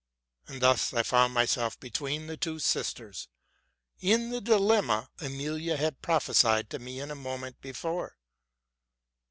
And thus I found myself be tween the two sisters, in the dilemma Emilia had prophesied to me a moment before.